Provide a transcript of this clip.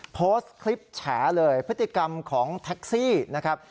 โพสต์คลิปแฉเลยพฤติกรรมของแท็กซี่นะครับ